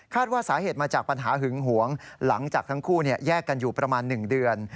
ว่าสาเหตุมาจากปัญหาหึงหวงหลังจากทั้งคู่แยกกันอยู่ประมาณ๑เดือน